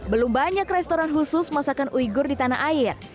belum banyak restoran khusus masakan uyghur di tanah air